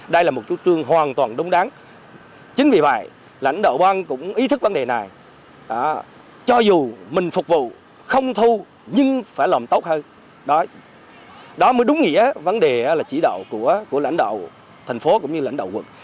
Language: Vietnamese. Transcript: đây là một chú trương hoàn toàn đúng đáng chính vì vậy lãnh đạo quân cũng ý thức vấn đề này cho dù mình phục vụ không thu nhưng phải làm tốt hơn đó mới đúng nghĩa vấn đề là chỉ đạo của lãnh đạo thành phố cũng như lãnh đạo quận